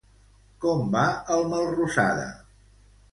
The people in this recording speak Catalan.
Com va el Melrosada?